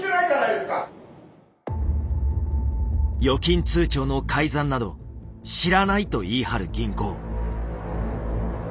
預金通帳の改ざんなど知らないと言い張る銀行。